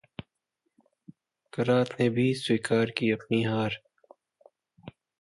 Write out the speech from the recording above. करात ने भी स्वीकार की अपनी हार